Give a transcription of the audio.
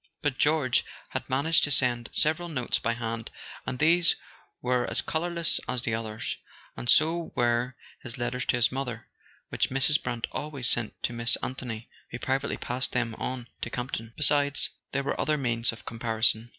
But George had managed to send several notes by hand, and these were as colourless as the others; and so were his letters to his mother, which Mrs. Brant always sent to Miss Anthony, who privately passed them on to Campton. Besides, there were other means of comparison.